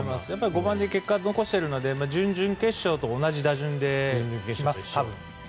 ５番で結果を残しているので準々決勝と同じ打順だと思います。